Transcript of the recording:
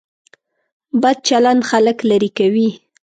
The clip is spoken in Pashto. بد چلند خلک لرې کوي.